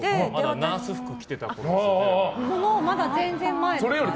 ナース服着てたころですよね。